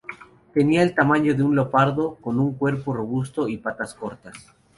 Tenía el tamaño de un leopardo, con un cuerpo robusto y patas cortas.